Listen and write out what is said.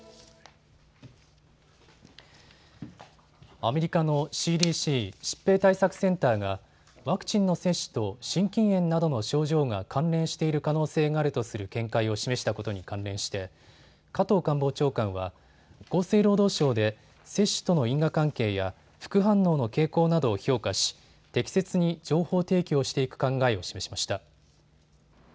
アメリカのＣＤＣ・疾病対策センターがワクチンの接種と心筋炎などの症状が関連している可能性があるとする見解を示したことに関連して加藤官房長官は厚生労働省で接種との因果関係や副反応の傾向などを評価し適切に情報提供していく考えを示しました。